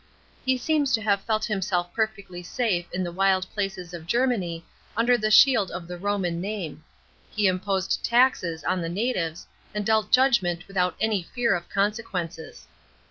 He seems to have felt himself perfectly sale in the wild places of Germany, under the shield of the Roman name ; he imposed taxes on the natives and dealt judgment without any fear of consequences.